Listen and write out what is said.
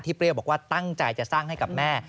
เปรี้ยวบอกว่าตั้งใจจะสร้างให้กับแม่